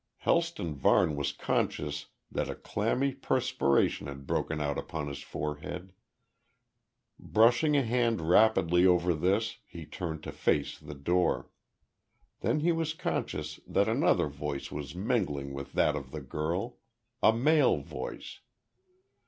Helston Varne was conscious that a clammy perspiration had broken out upon his forehead. Brushing a hand rapidly over this, he turned to face the door. Then he was conscious that another voice was mingling with that of the girl a male voice.